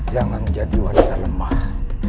jangan menjadi wanita lemah